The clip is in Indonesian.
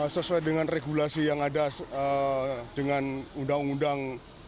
sesuai dengan regulasi yang ada dengan undang undang